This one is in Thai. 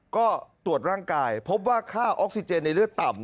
ก็ตรวจร่างกายพบว่าค่าออกซิเจนในเลือดต่ำ